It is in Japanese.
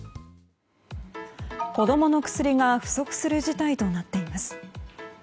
子供の薬が不足する事態となっています。